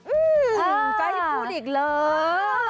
อืมจะพูดอีกเลย